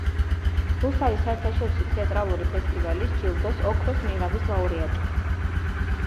რუსთავის საერთაშორისო თეატრალური ფესტივალის ჯილდოს „ოქროს ნიღაბის“ ლაურეატი.